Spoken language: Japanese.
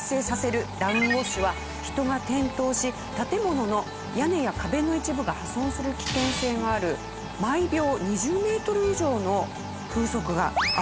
ダウンウォッシュは人が転倒し建物の屋根や壁の一部が破損する危険性がある毎秒２０メートル以上の風速があるそうです。